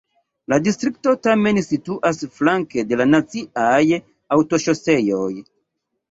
La distrikto tamen situas flanke de la naciaj aŭtoŝoseoj.